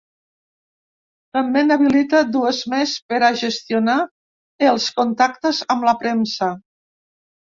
També n’habilita dues més per a gestionar els contactes amb la premsa.